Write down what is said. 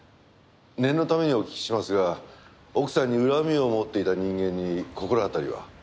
念のためにお聞きしますが奥さんに恨みを持っていた人間に心当たりは？